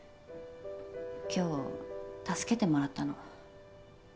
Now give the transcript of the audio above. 今日助けてもらったの。